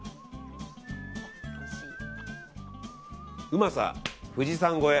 うまさ富士山越え！